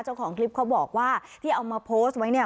เจ้าของคลิปเขาบอกว่าที่เอามาโพสต์ไว้เนี่ย